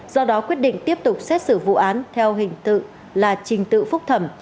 do đó quyết định tiếp tục xét xử vụ án theo hình tự là trình tự phúc thẩm